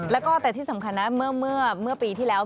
แล้วก็แต่ที่สำคัญนะเมื่อปีที่แล้ว